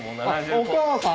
お母さん？